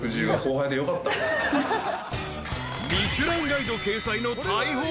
［『ミシュランガイド』掲載の大砲